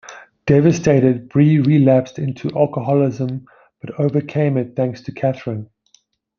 Devastated, Bree relapsed into alcoholism but overcame it, thanks to Katherine.